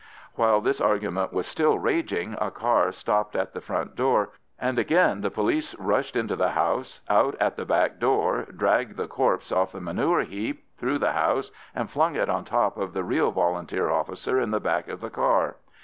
While this argument was still raging a car stopped at the front door, and again the police rushed into the house, out at the back door, dragged the corpse off the manure heap, through the house, and flung it on top of the real Volunteer officer in the back of the car.